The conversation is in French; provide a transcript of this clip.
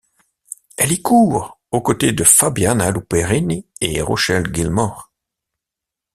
Elle y court aux côtés de Fabiana Luperini et Rochelle Gilmore.